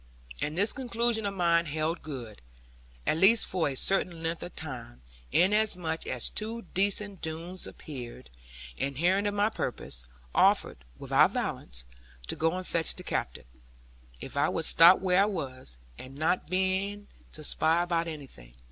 And this conclusion of mine held good, at least for a certain length of time; inasmuch as two decent Doones appeared, and hearing of my purpose, offered, without violence, to go and fetch the Captain; if I would stop where I was, and not begin to spy about anything.